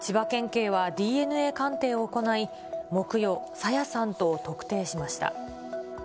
警はＤＮＡ鑑定を行い、木曜、朝芽さんと特定しました。